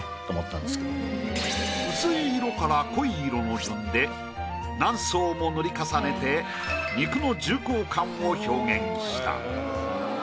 薄い色から濃い色の順で何層も塗り重ねて肉の重厚感を表現した。